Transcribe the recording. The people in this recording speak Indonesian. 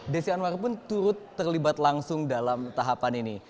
desi anwar pun turut terlibat langsung dalam tahapan ini